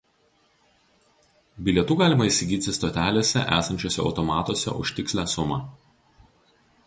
Bilietų galima įsigyti stotelėse esančiuose automatuose už tikslią sumą.